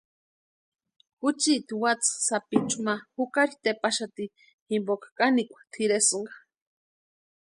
Juchiti watsï sapichu ma jukari tepaxati jimpo kanikwa tʼiresïnka.